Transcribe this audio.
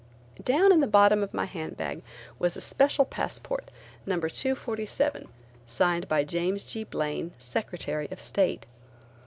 Down in the bottom of my hand bag was a special passport, number 247, signed by James G. Blaine, Secretary of State.